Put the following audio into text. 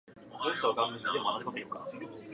黄山は中国の自然文化遺産である。